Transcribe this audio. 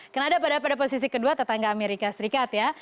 kanada padahal pada posisi kedua tetangga amerika serikat ya